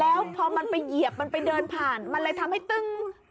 แล้วพอมันไปเหยียบมันไปเดินผ่านมันเลยทำให้ตึ้ง